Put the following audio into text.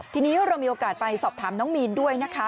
ทีนี้เรามีโอกาสไปสอบถามน้องมีนด้วยนะคะ